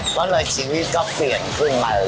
ก็เลยชีวิตก็เปลี่ยนขึ้นมา